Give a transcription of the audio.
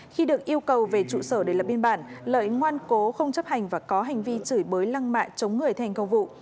khi được yêu cầu về trụ sở để lập biên bản lợi ngoan cố không chấp hành và có hành vi chửi bới lăng mạ chống người thành công vụ